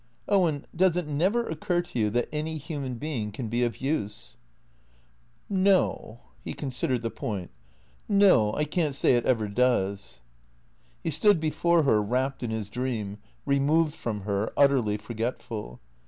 " Owen — does it never occur to you that any human being can be of use ?"" No." He considered the point. " No, I can't say it ever does." He stood before her, wrapped in his dream, removed from her, utterly forgetful.